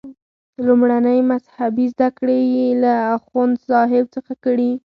لومړنۍ مذهبي زده کړې یې له اخوندصاحب څخه کړي.